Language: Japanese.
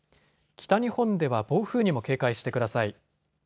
北日本では暴風にも警戒してください。